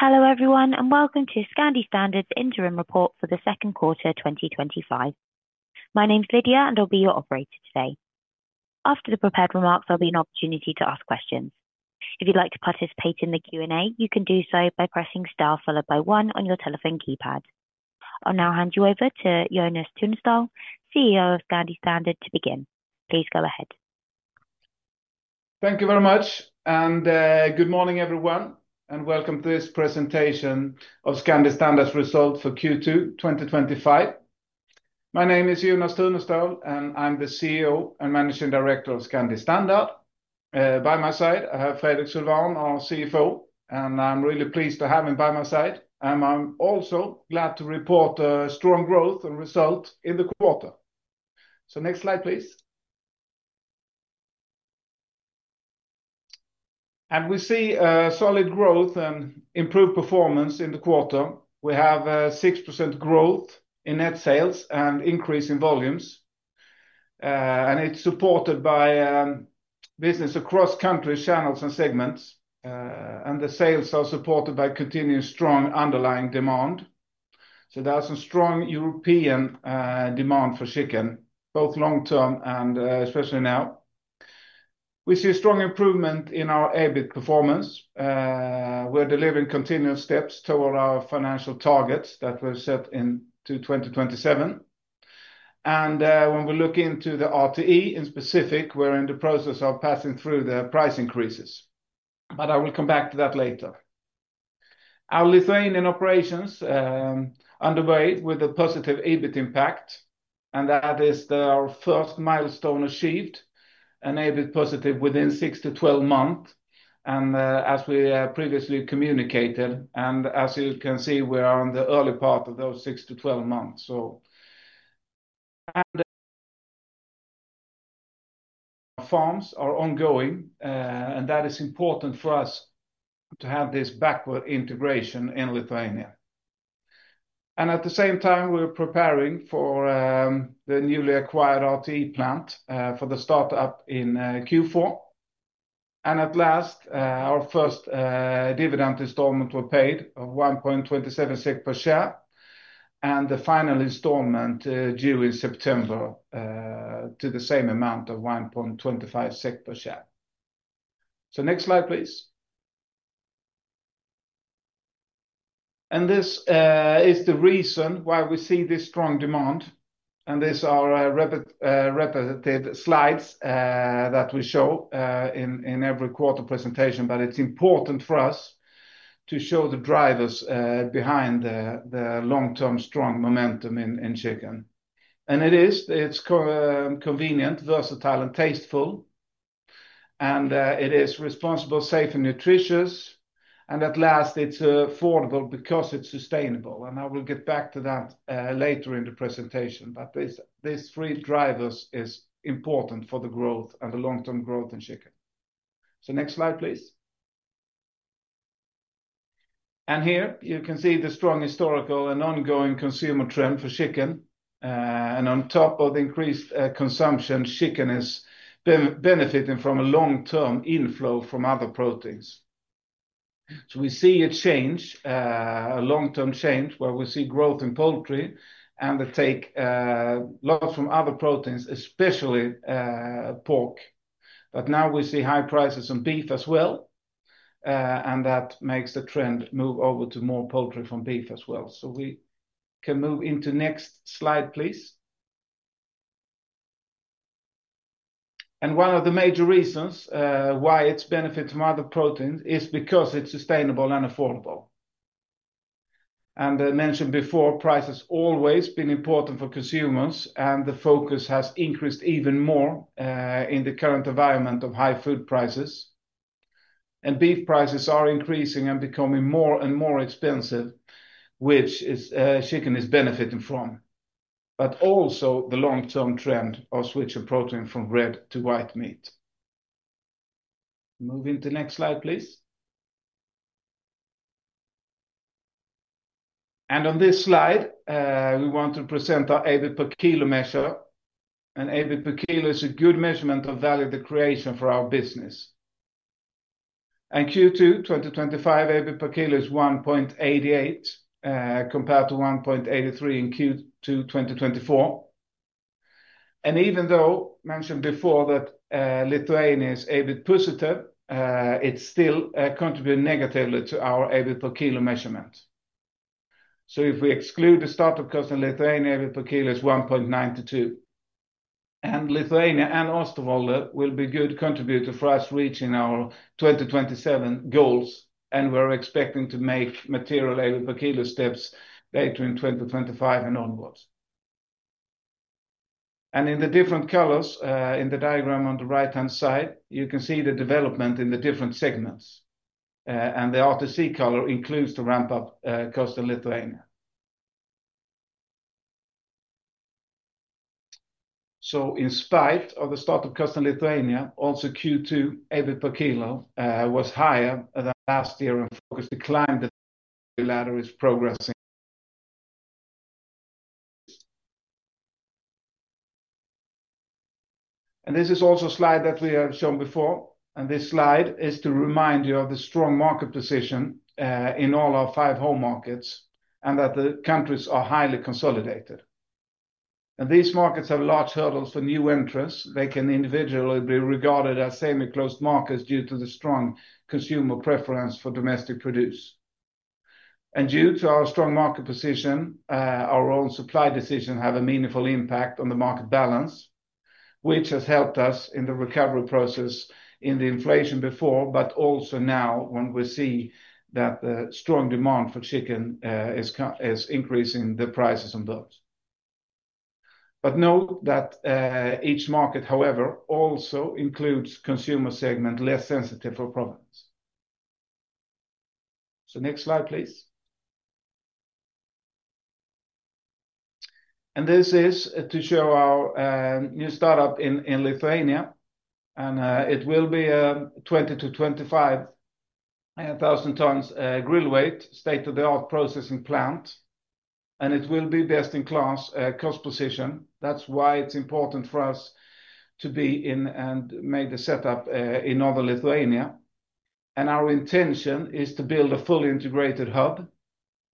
Hello everyone and welcome to Scandi Standard's Interim Report for the Second Quarter 2025. My name is [Lydia] and I'll be your operator today. After the prepared remarks, there'll be an opportunity to ask questions. If you'd like to participate in the Q&A, you can do so by pressing star one on your telephone keypad. I'll now hand you over to Jonas Tunestål, CEO of Scandi Standard, to begin. Please go ahead. Thank you very much and good morning everyone, and welcome to this presentation of Scandi Standard's results for Q2 2025. My name is Jonas Tunestål and I'm the CEO and Managing Director of Scandi Standard. By my side, I have Fredrik Sylwan, our CFO, and I'm really pleased to have him by my side. I'm also glad to report a strong growth result in the quarter. Next slide, please. We see solid growth and improved performance in the quarter. We have a 6% growth in net sales and increase in volumes, and it's supported by business across country channels and segments. The sales are supported by continued strong underlying demand. There is some strong European demand for chicken, both long term and especially now. We see a strong improvement in our EBIT performance. We're delivering continuous steps toward our financial targets that were set in 2027. When we look into the RTE in specific, we're in the process of passing through the price increases. I will come back to that later. Our Lithuanian operations are underway with a positive EBIT impact, and that is our first milestone achieved, an EBIT positive within 6 months to 12 months. As we previously communicated, and as you can see, we are in the early part of those 6 months to 12 months. The farms are ongoing, and that is important for us to have this backward integration in Lithuania. At the same time, we're preparing for the newly acquired RTE plant for the startup in Q4. At last, our first dividend installment was paid of 1.27 SEK per share, and the final installment due in September to the same amount of 1.25 SEK per share. Next slide, please. This is the reason why we see this strong demand. These are repetitive slides that we show in every quarter presentation, but it's important for us to show the drivers behind the long-term strong momentum in chicken. It is convenient, versatile, and tasteful. It is responsible, safe, and nutritious. At last, it's affordable because it's sustainable. I will get back to that later in the presentation. These three drivers are important for the growth and the long-term growth in chicken. Next slide, please. Here you can see the strong historical and ongoing consumer trend for chicken. On top of the increased consumption, chicken is benefiting from a long-term inflow from other proteins. We see a change, a long-term change where we see growth in poultry and the take loss from other proteins, especially pork. Now we see high prices on beef as well. That makes the trend move over to more poultry from beef as well. We can move into the next slide, please. One of the major reasons why it's benefiting from other proteins is because it's sustainable and affordable. I mentioned before, price has always been important for consumers, and the focus has increased even more in the current environment of high food prices. Beef prices are increasing and becoming more and more expensive, which chicken is benefiting from. There is also the long-term trend of switching protein from red to white meat. Moving to the next slide, please. On this slide, we want to present our EBIT per kilo measure. EBIT per kilo is a good measurement of value creation for our business. In Q2 2025, EBIT per kilo is 1.88 compared to 1.83 in Q2 2024. Even though I mentioned before that Lithuania is EBIT positive, it's still contributing negatively to our EBIT per kilo measurement. If we exclude the startup cost in Lithuania, EBIT per kilo is 1.92. Lithuania and Osterwolder will be good contributors for us reaching our 2027 goals. We are expecting to make material EBIT per kilo steps between 2025 and onwards. In the different colors in the diagram on the right-hand side, you can see the development in the different segments. The RTC color includes the ramp-up cost in Lithuania. In spite of the startup cost in Lithuania, also Q2 EBIT per kilo was higher than last year and the focus to climb the ladder is progressing. This is also a slide that we have shown before. This slide is to remind you of the strong market position in all our five home markets and that the countries are highly consolidated. These markets have large hurdles for new interests. They can individually be regarded as semi-closed markets due to the strong consumer preference for domestic produce. Due to our strong market position, our own supply decisions have a meaningful impact on the market balance, which has helped us in the recovery process in the inflation before, but also now when we see that the strong demand for chicken is increasing the prices on both. Note that each market, however, also includes consumer segments less sensitive for profits. Next slide, please. This is to show our new startup in Lithuania. It will be a 20,000 tons-25,000 tons grill weight, state-of-the-art processing plant. It will be best-in-class cost position. That's why it's important for us to be in and make the setup in Northern Lithuania. Our intention is to build a fully integrated hub.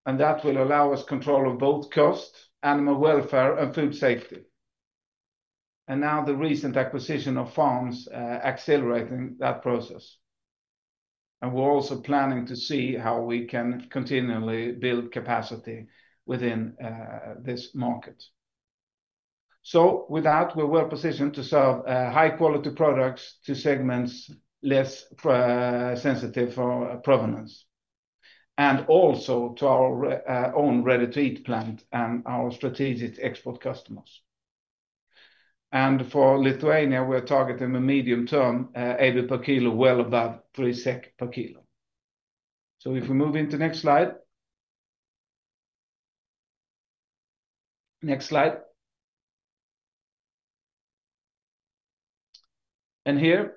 That will allow us control of both costs, animal welfare, and food safety. The recent acquisition of farms is accelerating that process. We're also planning to see how we can continually build capacity within this market. With that, we're well positioned to serve high-quality products to segments less sensitive for provenance, and also to our own Ready-to-eat plant and our strategic export customers. For Lithuania, we're targeting a medium-term EBIT per kilo well above 3 SEK per kilo. If we move into the next slide. Next slide. Here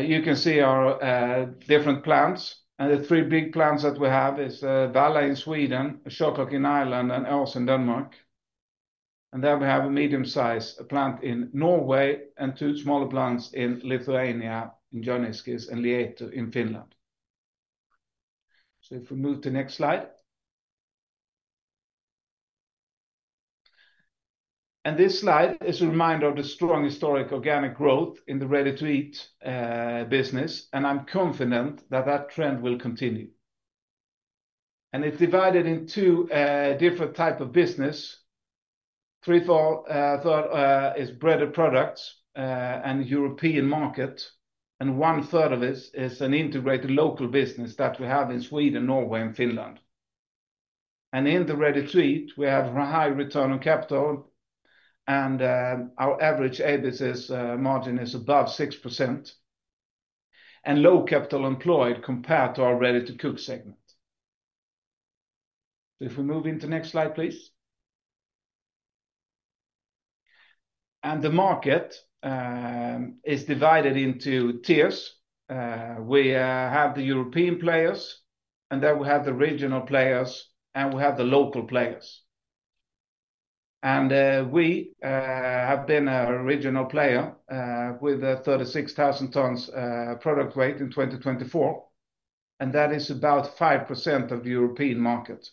you can see our different plants. The three big plants that we have are Valla in Sweden, a Shercock in Ireland, and Aars in Denmark. We have a medium-sized plant in Norway and two smaller plants in Lithuania, in Joniskis and Lieto in Finland. If we move to the next slide. This slide is a reminder of the strong historic organic growth in the Ready-to-eat business. I'm confident that trend will continue. It's divided into two different types of business. Three-fourth is breaded products and the European market. One third of this is an integrated local business that we have in Sweden, Norway, and Finland. In the Ready-to-eat, we have a high return on capital. Our average EBIT margin is above 6%. There is low capital employed compared to our Ready-to-cook segment. If we move into the next slide, please. The market is divided into tiers. We have the European players, then we have the regional players, and we have the local players. We have been a regional player with 36,000 tons product weight in 2024. That is about 5% of the European market.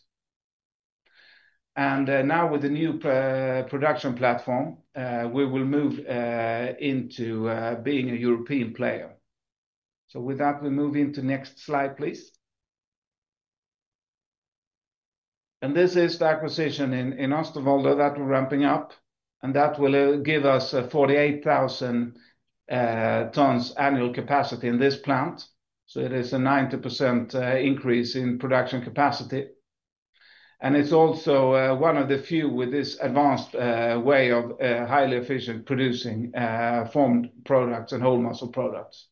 Now with the new production platform, we will move into being a European player. With that, we move into the next slide, please. This is the acquisition in Oosterwolde that we're ramping up. That will give us 48,000 tons annual capacity in this plant. It is a 90% increase in production capacity. It's also one of the few with this advanced way of highly efficient producing formed products and whole muscle products.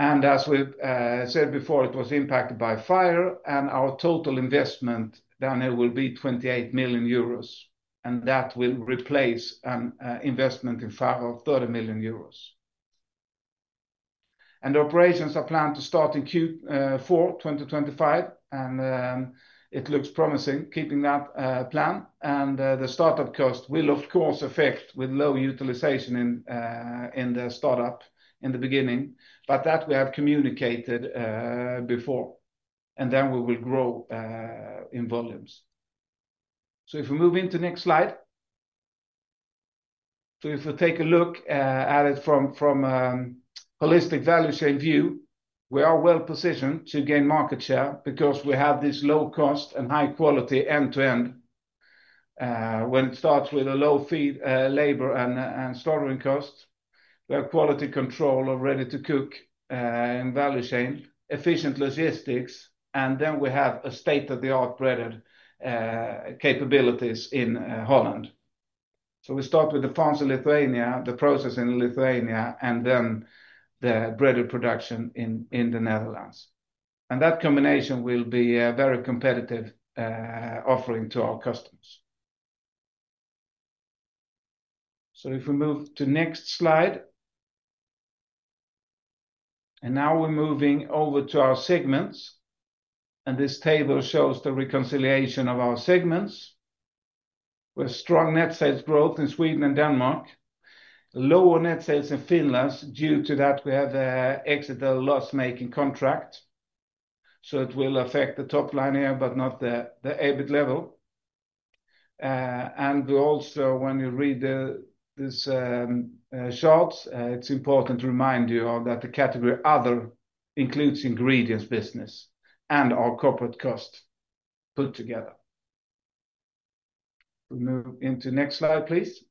As we said before, it was impacted by fire, and our total investment down here will be 28 million euros. That will replace an investment in Faro of 30 million euros. The operations are planned to start in Q4 2025. It looks promising, keeping that plan. The startup cost will, of course, affect with low utilization in the startup in the beginning. That we have communicated before. We will grow in volumes. If we move into the next slide, if we take a look at it from a holistic value chain view, we are well positioned to gain market share because we have this low cost and high quality end-to-end. When it starts with a low feed, labor, and slaughtering costs, we have quality control of Ready-to-cook in value chain, efficient logistics, and then we have a state-of-the-art breaded capabilities in Holland. We start with the farms in Lithuania, the process in Lithuania, and then the breaded production in the Netherlands. That combination will be a very competitive offering to our customers. If we move to the next slide. Now we're moving over to our segments. This table shows the reconciliation of our segments. We have strong net sales growth in Sweden and Denmark. Lower net sales in Finland due to that we have exited the loss-making contract. It will affect the top line here, but not the EBIT level. When you read these charts, it's important to remind you that the category Other includes the ingredients business and our corporate costs put together. We'll move into the next slide, please.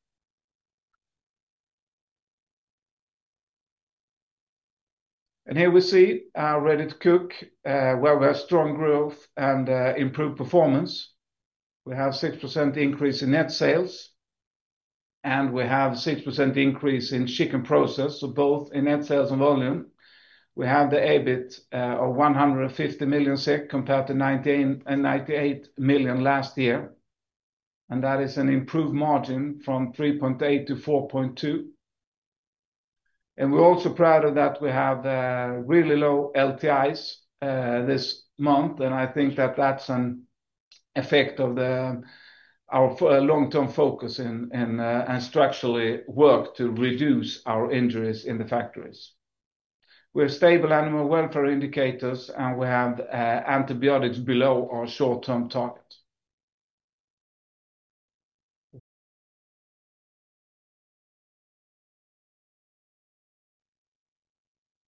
Here we see our Ready-to-cook where we have strong growth and improved performance. We have a 6% increase in net sales. We have a 6% increase in chicken process, so both in net sales and volume. We have the EBIT of 150 million SEK compared to 1,998 million last year. That is an improved margin from 3.8% to 4.2%. We're also proud that we have really low LTIs this month. I think that's an effect of our long-term focus and structural work to reduce our injuries in the factories. We have stable animal welfare indicators, and we have antibiotics below our short-term target.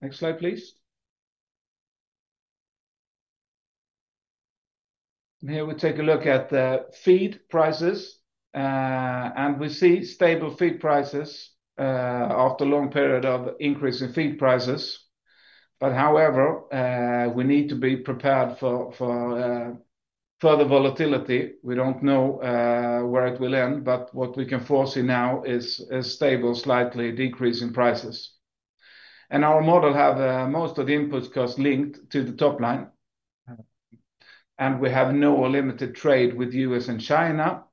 Next slide, please. Here we take a look at the feed prices. We see stable feed prices after a long period of increasing feed prices. However, we need to be prepared for further volatility. We don't know where it will end, but what we can foresee now is stable, slightly decreasing prices. Our model has most of the input costs linked to the top line. We have no limited trade with the U.S. and China.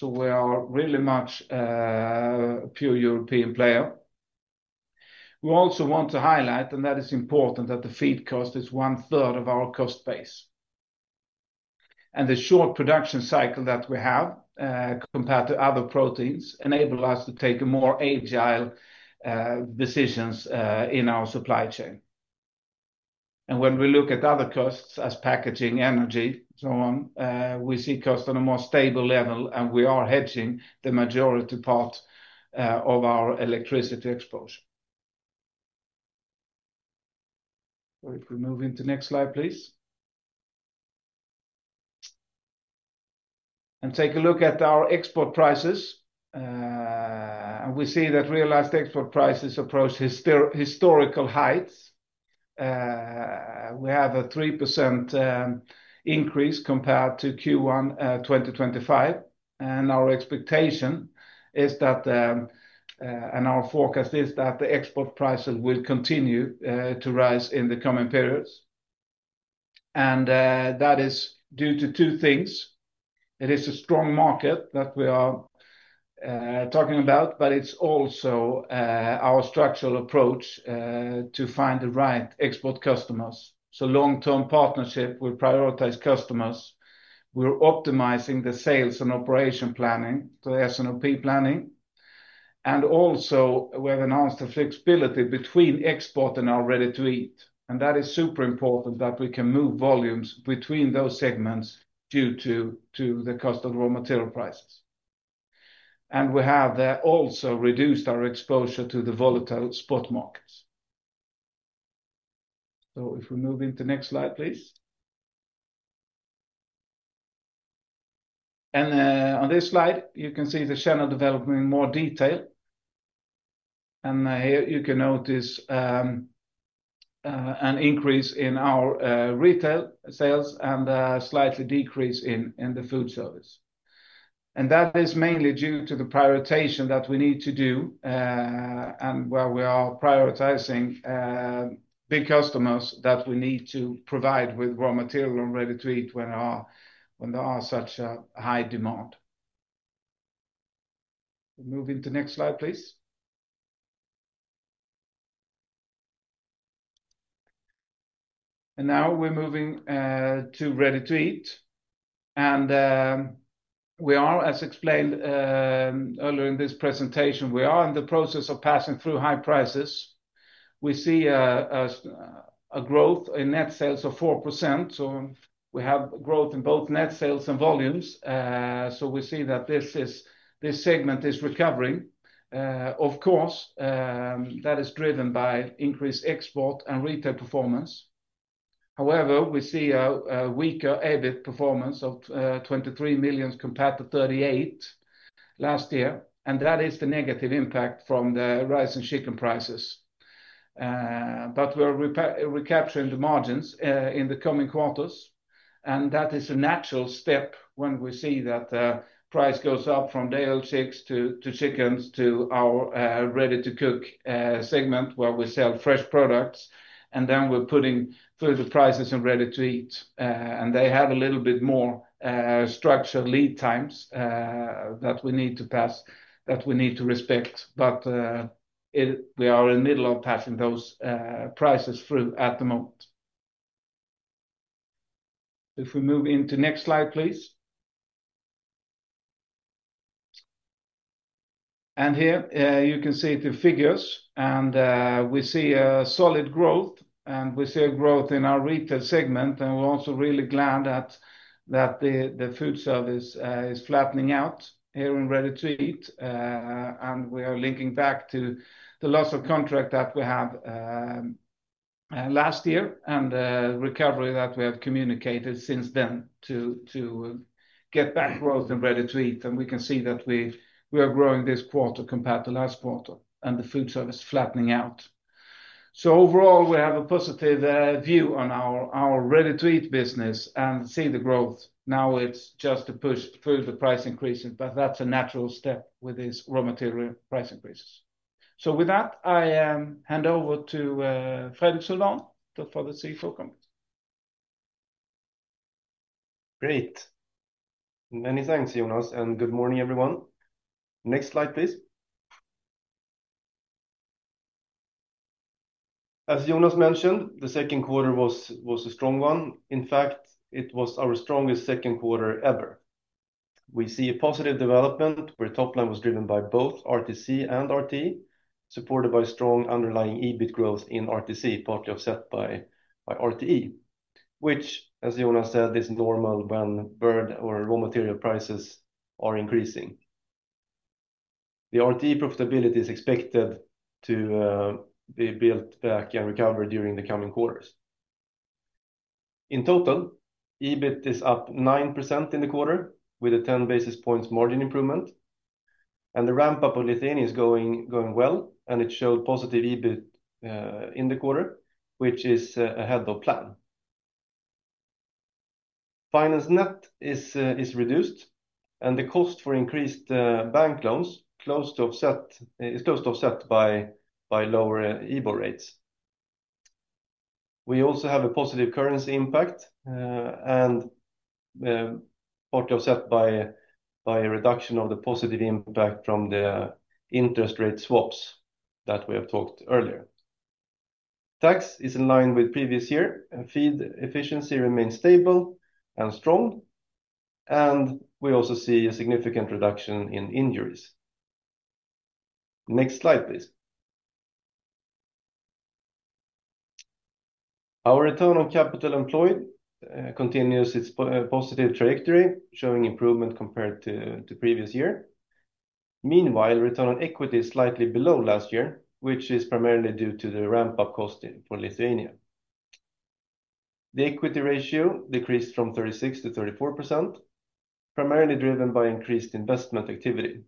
We are really much a pure European player. We also want to highlight, and that is important, that the feed cost is one third of our cost base. The short production cycle that we have compared to other proteins enables us to take more agile decisions in our supply chain. When we look at other costs such as packaging, energy, and so on, we see costs on a more stable level, and we are hedging the majority part of our electricity exposure. If we move into the next slide, please, and take a look at our export prices, we see that realized export prices approach historical heights. We have a 3% increase compared to Q1 2025. Our expectation is that, and our forecast is that, the export prices will continue to rise in the coming periods. That is due to two things. It is a strong market that we are talking about, but it's also our structural approach to find the right export customers. Long-term partnership, we prioritize customers. We're optimizing the sales and operation planning, so the S&OP planning. We have announced the flexibility between export and our Ready-to-eat. It is super important that we can move volumes between those segments due to the cost of raw material prices. We have also reduced our exposure to the volatile spot markets. If we move into the next slide, please. On this slide, you can see the channel development in more detail. Here you can notice an increase in our retail sales and a slight decrease in the food service. That is mainly due to the prioritization that we need to do and where we are prioritizing big customers that we need to provide with raw material and Ready-to-eat when there is such a high demand. Moving to the next slide, please. Now we're moving to Ready-to-eat. As explained earlier in this presentation, we are in the process of passing through high prices. We see a growth in net sales of 4%. We have growth in both net sales and volumes. We see that this segment is recovering. Of course, that is driven by increased export and retail performance. However, we see a weaker EBIT performance of $23 million compared to $38 million last year. That is the negative impact from the rise in chicken prices. We're recapturing the margins in the coming quarters. That is a natural step when we see that the price goes up from daily chicks to chickens to our Ready-to-cook segment where we sell fresh products. Then we're putting through the prices in Ready-to-eat. They have a little bit more structured lead times that we need to pass, that we need to respect. We are in the middle of passing those prices through at the moment. If we move into the next slide, please. Here you can see the figures. We see a solid growth. We see a growth in our retail segment. We're also really glad that the food service is flattening out here in Ready-to-eat. We are linking back to the loss of contract that we had last year and the recovery that we have communicated since then to get back growth in Ready-to-eat. We can see that we are growing this quarter compared to last quarter, and the food service is flattening out. Overall, we have a positive view on our Ready-to-eat business and see the growth. Now it's just a push through the price increases. That's a natural step with these raw material price increases. With that, I hand over to Fredrik Sylwan, the CFO company. Great. Many thanks, Jonas, and good morning everyone. Next slide, please. As Jonas mentioned, the second quarter was a strong one. In fact, it was our strongest second quarter ever. We see a positive development where the top line was driven by both RTC and RTE, supported by strong underlying EBIT growth in RTC, partly offset by RTE, which, as Jonas said, is normal when bird or raw material prices are increasing. The RTE profitability is expected to be built back and recovered during the coming quarters. In total, EBIT is up 9% in the quarter with a 10 basis points margin improvement. The ramp-up of Lithuania is going well, and it showed positive EBIT in the quarter, which is ahead of plan. Finance net is reduced, and the cost for increased bank loans is close to offset by lower EBIT rates. We also have a positive currency impact, and partly offset by a reduction of the positive impact from the interest rate swaps that we have talked earlier. Tax is in line with previous year. Feed efficiency remains stable and strong. We also see a significant reduction in injuries. Next slide, please. Our return on capital employed continues its positive trajectory, showing improvement compared to the previous year. Meanwhile, return on equity is slightly below last year, which is primarily due to the ramp-up cost for Lithuania. The equity ratio decreased from 36%-34%, primarily driven by increased investment activity.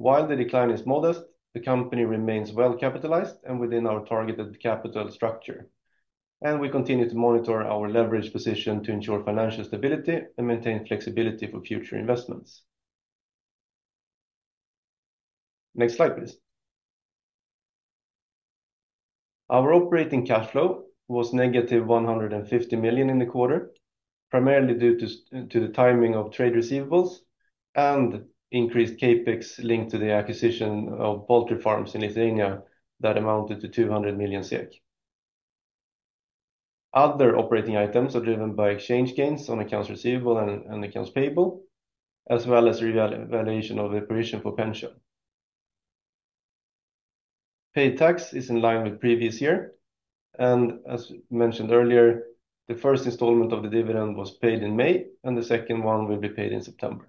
While the decline is modest, the company remains well capitalized and within our targeted capital structure. We continue to monitor our leverage position to ensure financial stability and maintain flexibility for future investments. Next slide, please. Our operating cash flow was -150 million in the quarter, primarily due to the timing of trade receivables and increased CapEx linked to the acquisition of Baltic Farms in Lithuania that amounted to 200 million SEK. Other operating items are driven by exchange gains on accounts receivable and accounts payable, as well as revaluation of the provision for pension. Pay tax is in line with previous year. As mentioned earlier, the first installment of the dividend was paid in May, and the second one will be paid in September.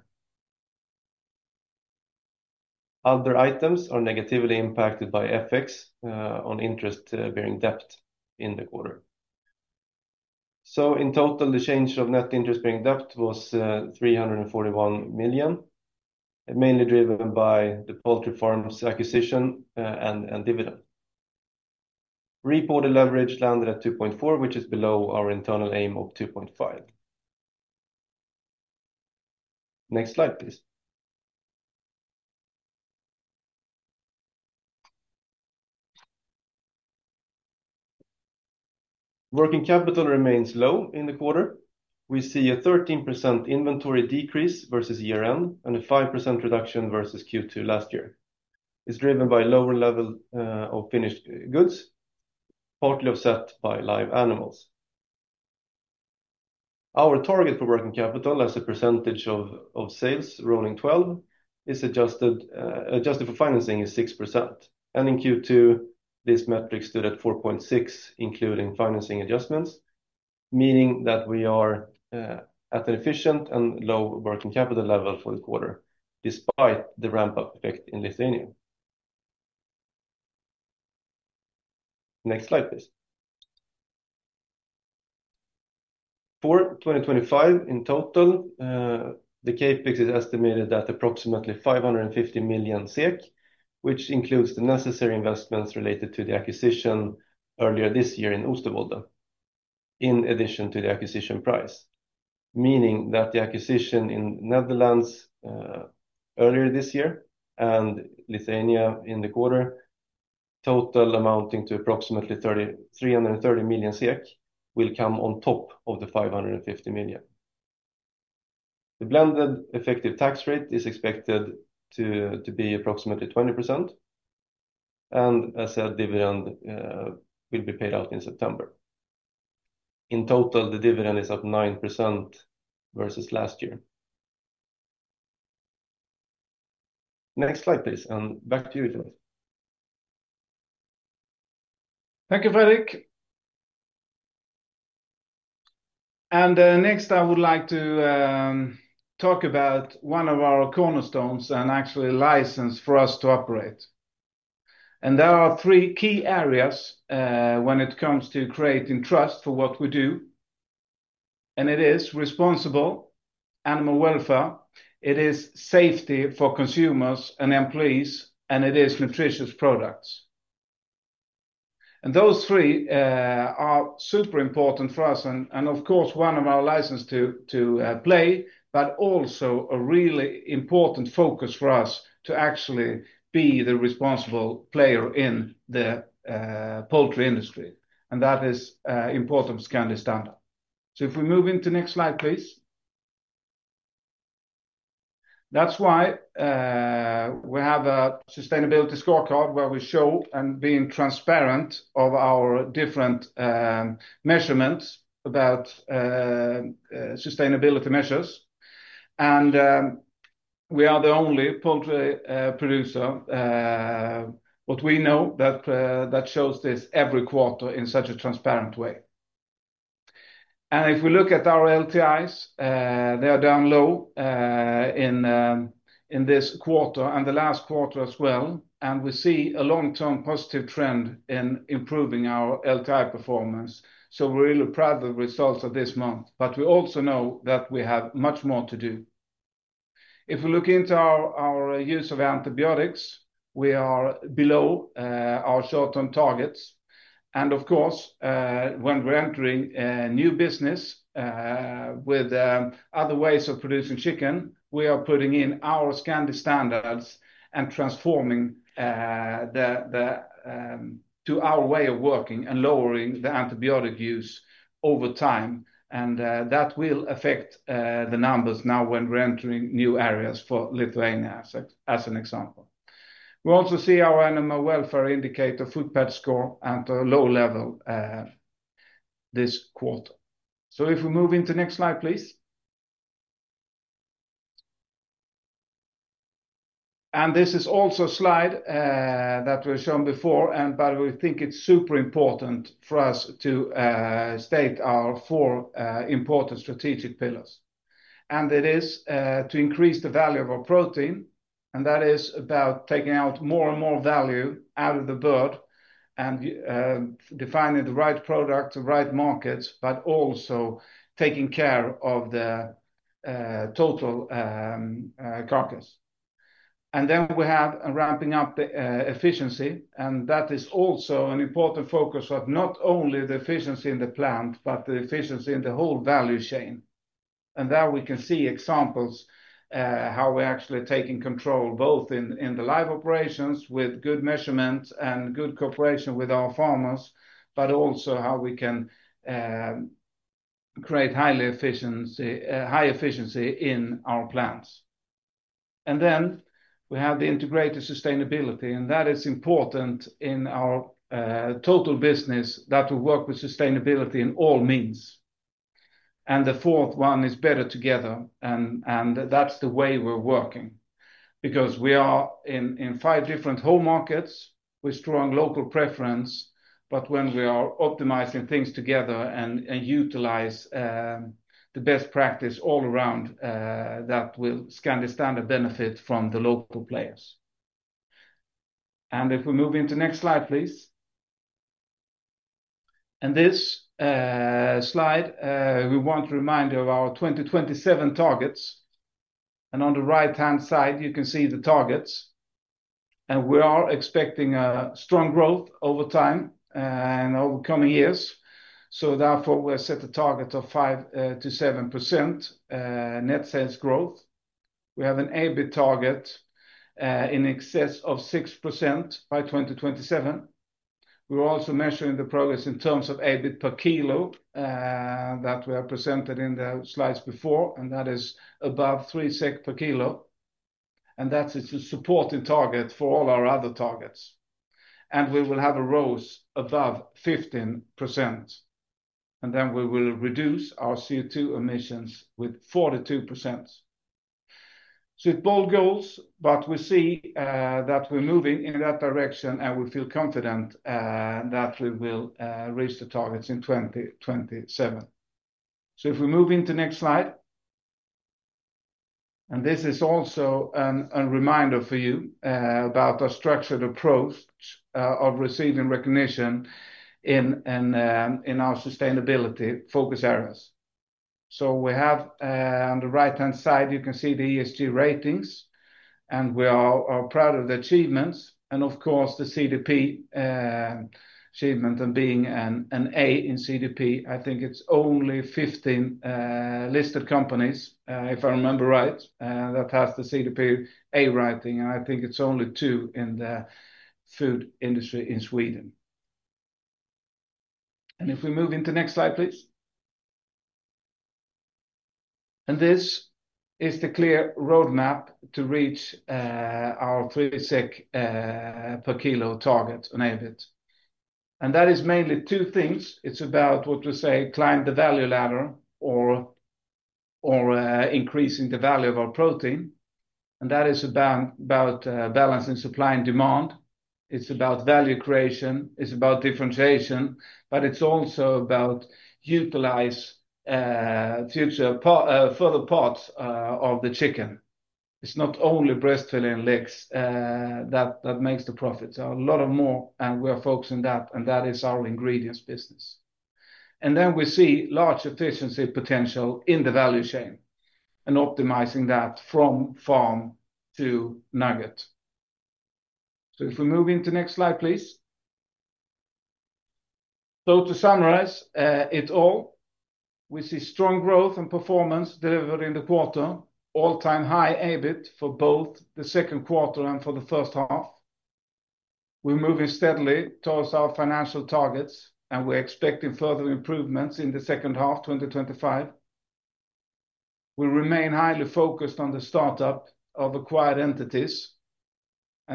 Other items are negatively impacted by FX on interest-bearing debt in the quarter. In total, the change of net interest-bearing debt was 341 million, mainly driven by the Baltic Farms acquisition and dividend. Reported leverage landed at 2.4, which is below our internal aim of 2.5. Next slide, please. Working capital remains low in the quarter. We see a 13% inventory decrease versus year end and a 5% reduction versus Q2 last year. It's driven by lower level of finished goods, partly offset by live animals. Our target for working capital, as a percentage of sales rolling 12, is adjusted for financing is 6%. In Q2, this metric stood at 4.6%, including financing adjustments, meaning that we are at an efficient and low working capital level for the quarter, despite the ramp-up effect in Lithuania. Next slide, please. For 2025, in total, the CapEx is estimated at approximately 550 million SEK, which includes the necessary investments related to the acquisition earlier this year in Osterwolder, in addition to the acquisition price, meaning that the acquisition in the Netherlands earlier this year and Lithuania in the quarter, total amounting to approximately 330 million SEK, will come on top of the 550 million. The blended effective tax rate is expected to be approximately 20%. As said, dividend will be paid out in September. In total, the dividend is up 9% versus last year. Next slide, please. Back to you, Jonas. Thank you, Fredrik. Next, I would like to talk about one of our cornerstones and actually license for us to operate. There are three key areas when it comes to creating trust for what we do. It is responsible animal welfare, safety for consumers and employees, and nutritious products. Those three are super important for us. Of course, one of our licenses to play, but also a really important focus for us to actually be the responsible player in the poultry industry. That is important for Scandi Standard. If we move into the next slide, please. That is why we have a sustainability scorecard where we show and are transparent about our different measurements regarding sustainability measures. We are the only poultry producer, as far as we know, that shows this every quarter in such a transparent way. If we look at our LTIs, they are down low in this quarter and the last quarter as well. We see a long-term positive trend in improving our LTI performance. We are really proud of the results of this month, but we also know that we have much more to do. If we look into our use of antibiotics, we are below our short-term targets. When we are entering a new business with other ways of producing chicken, we are putting in our Scandi Standard standards and transforming to our way of working and lowering the antibiotic use over time. That will affect the numbers now when we are entering new areas for Lithuania, as an example. We also see our animal welfare indicator, food patch score, at a low level this quarter. If we move into the next slide, please. This is also a slide that we've shown before, but we think it's super important for us to state our four important strategic pillars. It is to increase the value of our protein, and that is about taking out more and more value out of the bird and defining the right products, the right markets, but also taking care of the total carcass. Then we have ramping up the efficiency, and that is also an important focus of not only the efficiency in the plant, but the efficiency in the whole value chain. There we can see examples of how we are actually taking control both in the live operations with good measurement and good cooperation with our farmers, but also how we can create high efficiency in our plants. Then we have the integrated sustainability, and that is important in our total business that we work with sustainability in all means. The fourth one is better together. That's the way we're working because we are in five different home markets with strong local preference. When we are optimizing things together and utilize the best practice all around, that will let Scandi Standard benefit from the local players. If we move into the next slide, please. This slide, we want to remind you of our 2027 targets. On the right-hand side, you can see the targets. We are expecting strong growth over time and over the coming years. Therefore, we'll set a target of 5%-7% net sales growth. We have an EBIT target in excess of 6% by 2027. We're also measuring the progress in terms of EBIT per kilo that we have presented in the slides before, and that is above 3 SEK per kilo. That is a supporting target for all our other targets. We will have a ROCE above 15%. We will reduce our CO2 emissions by 42%. It's bold goals, but we see that we're moving in that direction and we feel confident that we will reach the targets in 2027. If we move into the next slide. This is also a reminder for you about our structured approach of receiving recognition in our sustainability focus areas. On the right-hand side, you can see the ESG ratings. We are proud of the achievements, and of course, the CDP achievement and being an A in CDP. I think it's only 15 listed companies, if I remember right, that have the CDP A rating. I think it's only two in the food industry in Sweden. If we move into the next slide, please. This is the clear roadmap to reach our 3 SEK per kilo target on EBIT. That is mainly two things. It's about what we say, climb the value ladder or increasing the value of our protein. That is about balancing supply and demand. It's about value creation. It's about differentiation. It's also about utilizing further parts of the chicken. It's not only breast fillet and legs that make the profit. There are a lot more. We are focusing on that, and that is our ingredients business. We see large efficiency potential in the value chain and optimizing that from farm to nugget. If we move into the next slide, please. To summarize it all, we see strong growth and performance delivered in the quarter, all-time high EBIT for both the second quarter and for the first half. We're moving steadily towards our financial targets. We're expecting further improvements in the second half, 2025. We remain highly focused on the startup of acquired entities.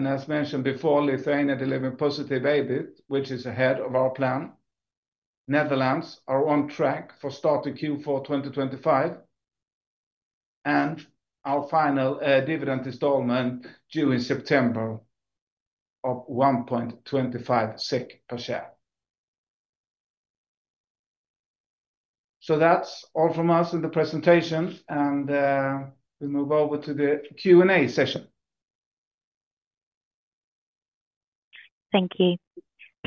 As mentioned before, Lithuania delivered positive EBIT, which is ahead of our plan. Netherlands are on track for starting Q4 2025, and our final dividend installment is due in September of 1.25 SEK per share. That's all from us in the presentations. We move over to the Q&A session. Thank you.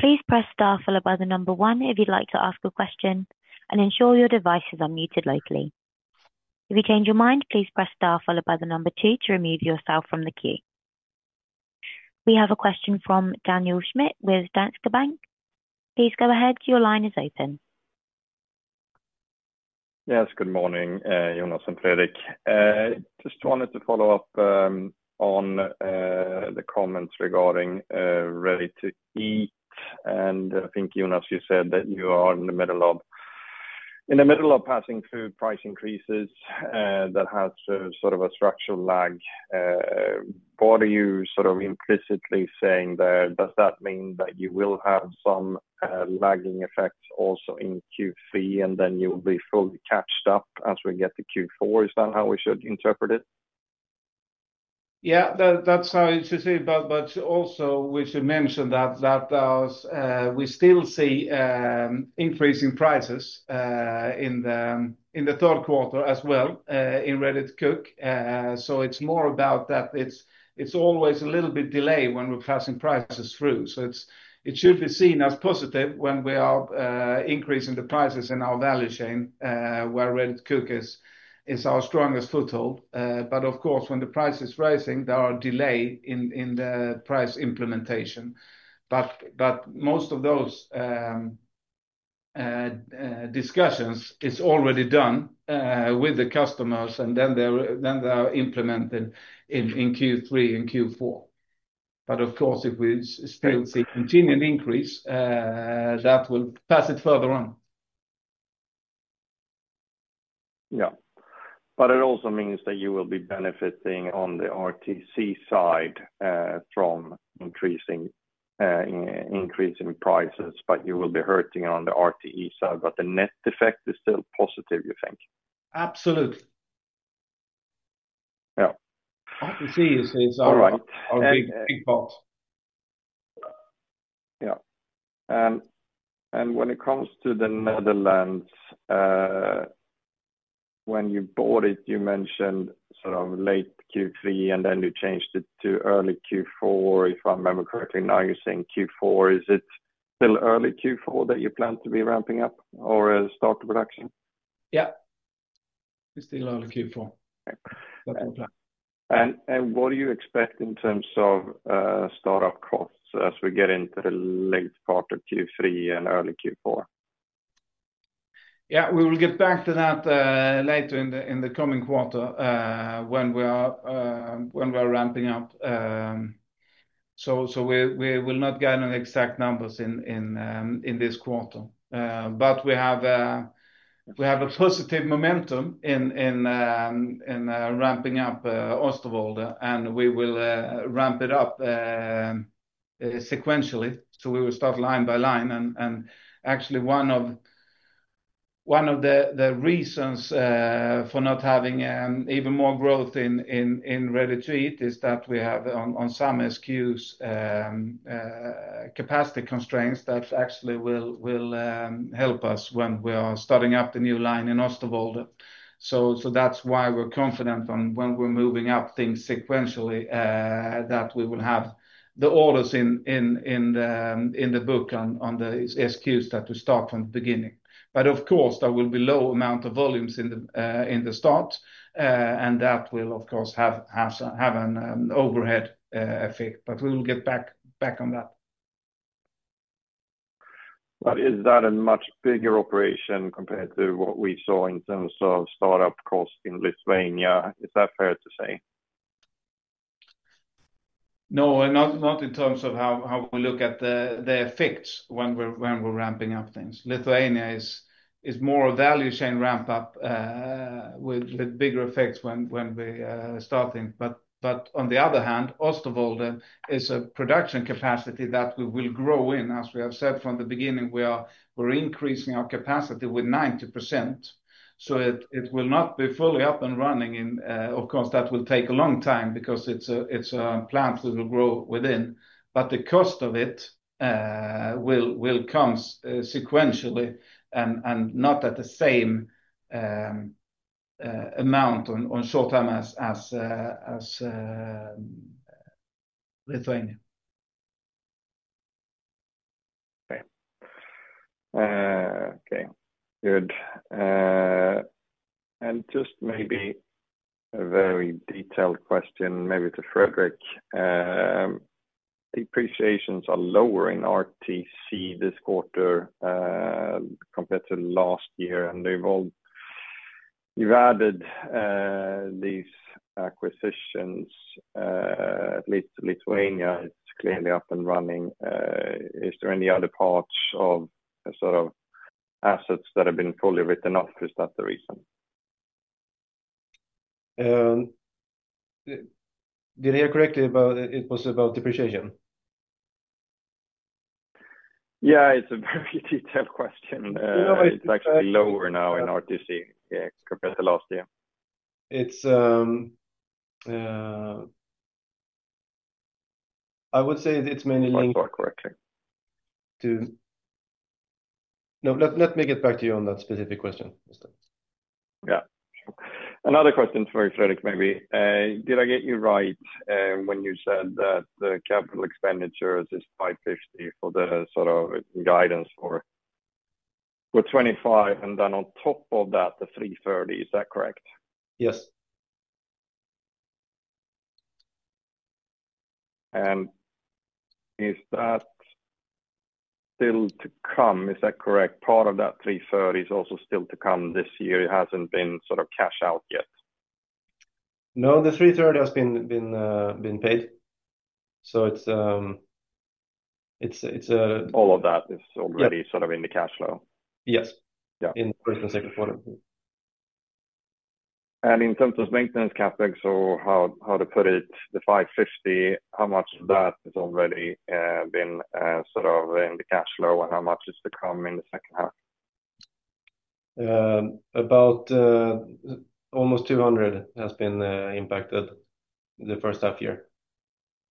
Please press star followed by the number one if you'd like to ask a question and ensure your device is unmuted locally. If you change your mind, please press star followed by the number two to remove yourself from the queue. We have a question from Daniel Schmidt with Danske Bank. Please go ahead. Your line is open. Yes, good morning, Jonas and Fredrik. I just wanted to follow up on the comments regarding Ready-to-eat. I think, Jonas, you said that you are in the middle of passing through price increases that have sort of a structural lag. What are you sort of implicitly saying there? Does that mean that you will have some lagging effects also in Q3 and then you'll be fully caught up as we get to Q4? Is that how we should interpret it? Yeah, that's how it should be. We should mention that we still see increasing prices in the third quarter as well in Ready-to-cook. It's more about that. It's always a little bit delayed when we're passing prices through. It should be seen as positive when we are increasing the prices in our value chain where Ready-to-cook is our strongest foothold. Of course, when the price is rising, there are delays in the price implementation. Most of those discussions are already done with the customers, and then they are implemented in Q3 and Q4. Of course, if we still see continued increase, that will pass it further on. It also means that you will be benefiting on the Ready-to-cook side from increasing prices, but you will be hurting on the Ready-to-eat side. The net effect is still positive, you think? Absolutely. Yeah. I can see you saying so. All right. I'll be a big part. When it comes to the Netherlands, when you bought it, you mentioned sort of late Q3 and then you changed it to early Q4, if I remember correctly. Now you're saying Q4. Is it still early Q4 that you plan to be ramping up or start production? Yeah, it's still early Q4. What do you expect in terms of startup costs as we get into the late part of Q3 and early Q4? Yeah, we will get back to that later in the coming quarter when we are ramping up. We will not get any exact numbers in this quarter. We have a positive momentum in ramping up Osterwolder, and we will ramp it up sequentially. We will start line by line. Actually, one of the reasons for not having even more growth in Ready-to-eat is that we have on some SKUs capacity constraints that actually will help us when we are starting up the new line in Osterwolder. That is why we're confident when we're moving up things sequentially that we will have the orders in the book on the SKUs that we start from the beginning. There will be a low amount of volumes in the start, and that will, of course, have an overhead effect. We will get back on that. Is that a much bigger operation compared to what we saw in terms of startup costs in Lithuania? Is that fair to say? No, not in terms of how we look at the effects when we're ramping up things. Lithuania is more a value chain ramp-up with bigger effects when we are starting. On the other hand, Oosterwolde is a production capacity that we will grow in. As we have said from the beginning, we're increasing our capacity with 90%. It will not be fully up and running. Of course, that will take a long time because it's a plant we will grow within. The cost of it will come sequentially and not at the same amount on short term as Lithuania. Okay. Good. Just maybe a very detailed question, maybe to Fredrik. The appreciations are lower in RTC this quarter compared to last year. You've added these acquisitions. At least Lithuania is clearly up and running. Is there any other parts of sort of assets that have been fully written off? Is that the reason? Did I hear correctly about depreciation? Yeah, it's a very detailed question. It's actually lower now in RTC compared to last year. I would say it's mainly linked. Let me get back to you on that specific question. Another question for you, Fredrik, maybe. Did I get you right when you said that the CapEx is 550 million for the sort of guidance for 2025, and then on top of that, the 330 million? Is that correct? Yes. Is that still to come? Is that correct? Part of that $330 million is also still to come this year. It hasn't been cash out yet. No, the $330 million has been paid. It's a. All of that is already sort of in the cash flow? Yes, in the first and second quarter. In terms of maintenance CapEx, or how to put it, the 550, how much of that has already been in the cash flow and how much is to come in the second half? About almost 200 has been impacted in the first half year.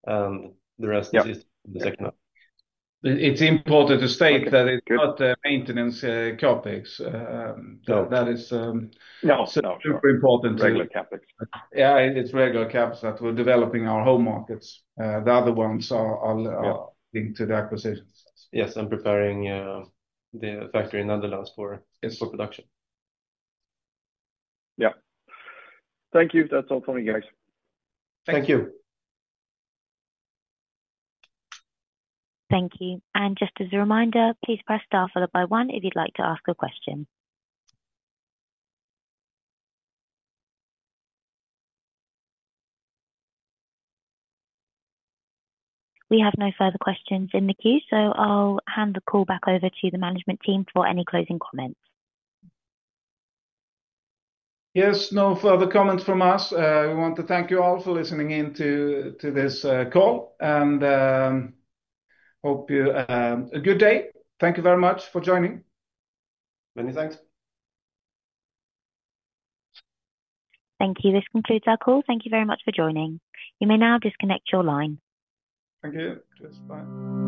The rest is in the second half. It's important to state that it's not maintenance CapEx. That is also super important too. Yeah, it's regular CapEx. Yeah, it's regular CapEx that we're developing our home markets. The other ones are linked to the acquisition. Yes, I'm preparing the factory in the Netherlands for production. Yeah, thank you. That's all for me, guys. Thank you. Thank you. Just as a reminder, please press star followed by one if you'd like to ask a question. We have no further questions in the queue, so I'll hand the call back over to the management team for any closing comments. Yes, no further comments from us. We want to thank you all for listening to this call and hope you have a good day. Thank you very much for joining. Many thanks. Thank you. This concludes our call. Thank you very much for joining. You may now disconnect your line. Thank you. Bye.